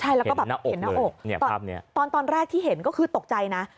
เห็นหน้าอกเลยภาพนี้แล้ววะตอนแรกที่เห็นก็คือตกใจนะ